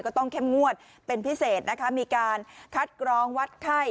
ก็ต้องเข้มงวดเป็นพิเศษนะคะมีการคัดกรองวัดไข้